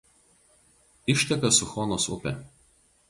Išteka Suchonos upė.